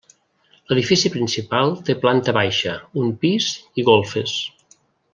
L'edifici principal té planta baixa, un pis i golfes.